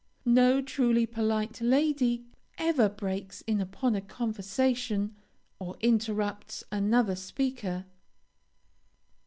No truly polite lady ever breaks in upon a conversation or interrupts another speaker.